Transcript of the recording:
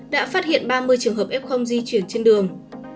đã phát hiện ba mươi trường hợp f di chuyển trên đường